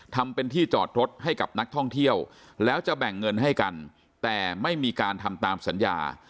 ทำเป็นที่จอดรถให้กับนักท่องเที่ยวแล้วจะแบ่งเงินให้กันแต่ไม่มีการทำตามสัญญา